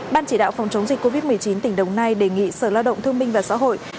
ban chỉ đạo phòng chống dịch covid một mươi chín tỉnh đồng nai đề nghị sở lao động thương minh và xã hội